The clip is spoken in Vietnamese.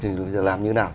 thì bây giờ làm như nào